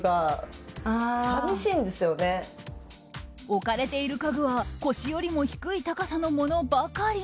置かれている家具は腰よりも低い高さのものばかり。